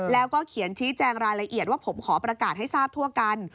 แล้วก็เขียนชี้แจงรายละเอียดว่าผมขอประกาศให้ทราบทั่วกัน